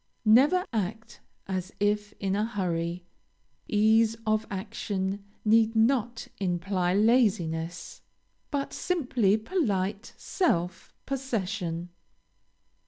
Never act as if in a hurry. Ease of action need not imply laziness, but simply polite self possession.